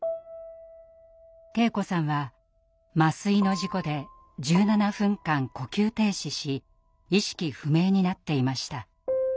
圭子さんは麻酔の事故で１７分間呼吸停止し意識不明になっていました。